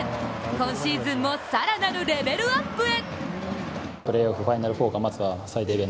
今シーズンも更なるレベルアップへ。